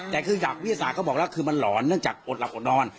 แต่คือจากวิทยาศาสตร์ก็บอกแล้วคือมันหลอนเนื่องจากอดหลับอดนอน